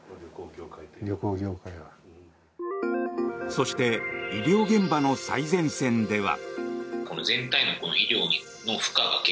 そして医療現場の最前線では。